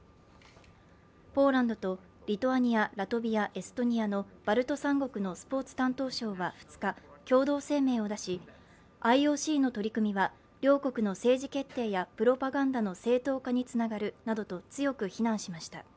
ポーランドとリトアニア、ラトビア、エストニアのバルト三国のスポーツ担当相は２日、共同声明を出しＩＯＣの取り組みは両国の政治決定やプロパガンダの正当化につながるなどと強く非難しました。